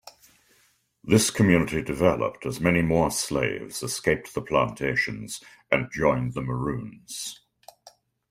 This community developed as many more slaves escaped the plantations and joined the Maroons.